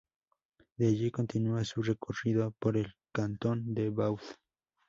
De allí continúa su recorrido por el cantón de Vaud.